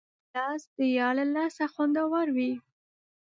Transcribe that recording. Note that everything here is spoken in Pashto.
ګیلاس د یار له لاسه خوندور وي.